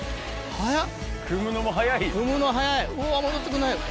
速っ。